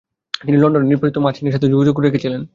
তিনি লন্ডনে নির্বাসিত মাৎসিনির সাথে যোগাযোগ রেখেছিলেন।